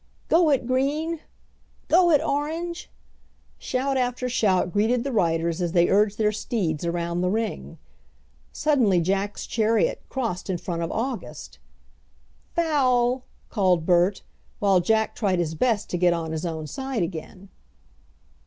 "Go it, green!" "Go it, orange!" Shout after shout greeted the riders as they urged their steeds around the ring. Suddenly Jack's chariot crossed in front of August. "Foul!" called Bert, while Jack tried his best to get on his own side again.